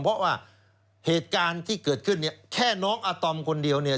เพราะว่าเหตุการณ์ที่เกิดขึ้นเนี่ยแค่น้องอาตอมคนเดียวเนี่ย